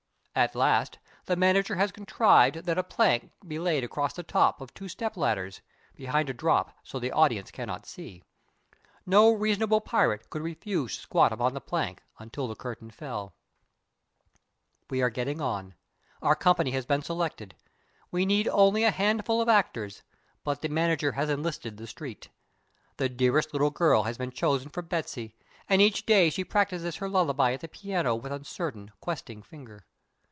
At last the manager has contrived that a plank be laid across the tops of two step ladders, behind a drop so that the audience cannot see. No reasonable pirate could refuse to squat upon the plank until the curtain fell. [Illustration: With uncertain, questing finger] We are getting on. Our company has been selected. We need only a handful of actors, but the manager has enlisted the street. The dearest little girl has been chosen for Betsy, and each day she practices her lullaby at the piano with uncertain, questing finger.